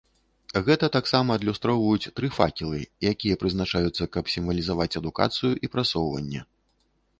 Гэта таксама адлюстроўваюць тры факелы, якія прызначаюцца, каб сімвалізаваць адукацыю і прасоўванне.